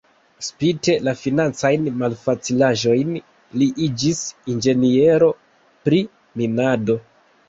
Spite la financajn malfacilaĵojn li iĝis inĝeniero pri minado.